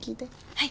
はい。